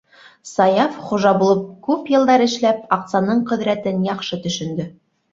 Саяф, хужа булып күп йылдар эшләп, аҡсаның ҡөҙрәтен яҡшы төшөндө.